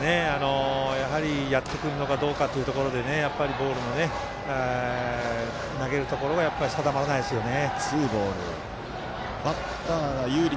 やはり、やってくるのかどうかというところでやっぱり、ボールの投げるところ定まらないですよね。